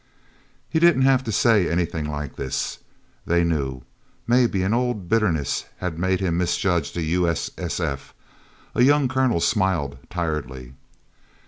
He didn't have to say anything like this. They knew. Maybe an old bitterness had made him misjudge the U.S.S.F. A young colonel smiled tiredly.